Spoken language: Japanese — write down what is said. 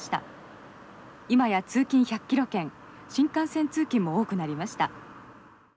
今や通勤１００キロ圏新幹線通勤も多くなりました」。